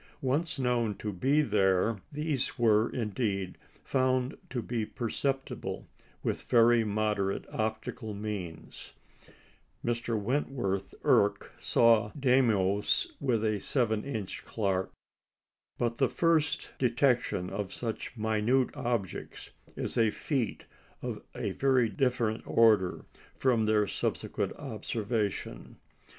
Once known to be there, these were, indeed, found to be perceptible with very moderate optical means (Mr. Wentworth Erck saw Deimos with a 7 inch Clark); but the first detection of such minute objects is a feat of a very different order from their subsequent observation.